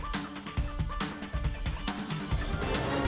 kita masih akan berbicara